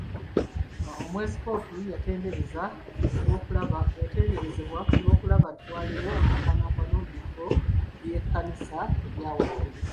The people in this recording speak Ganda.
Omwepiskoopi yatenderezeddwa olw'okulaba nti waliwo omwenkanonkano mu bifo by'ekkanisa ebya waggulu.